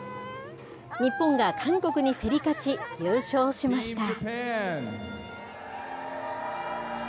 日本が韓国に競り勝ち、優勝しました。